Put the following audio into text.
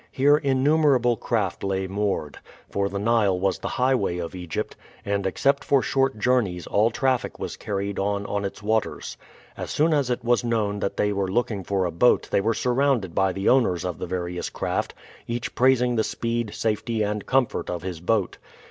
Here innumerable craft lay moored; for the Nile was the highway of Egypt, and except for short journeys all traffic was carried on on its waters. As soon as it was known that they were looking for a boat they were surrounded by the owners of the various craft, each praising the speed, safety, and comfort of his boat.